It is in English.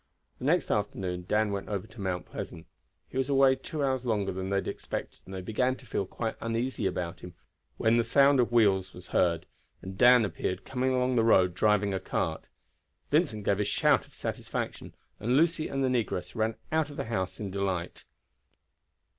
The next afternoon Dan went over to Mount Pleasant. He was away two hours longer than they had expected, and they began to feel quite uneasy about him, when the sound of wheels was heard, and Dan appeared coming along the road driving a cart. Vincent gave a shout of satisfaction, and Lucy and the negress ran out from the house in delight.